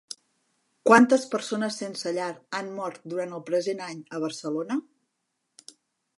Quantes persones sense llar han mort durant el present any a Barcelona?